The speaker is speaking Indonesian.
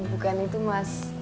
bukan itu mas